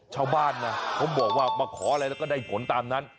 ชาวบ้านนะเขาบอกว่ามาขออะไรแล้วก็ได้ผลตามนั้น